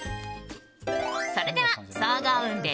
それでは総合運